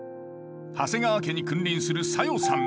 長谷川家に君臨する小夜さん。